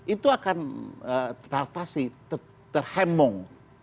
itu akan tertartasi terhemung